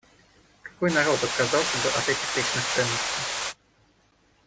Какой народ отказался бы от этих вечных ценностей?